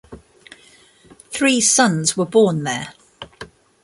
Three sons were born there.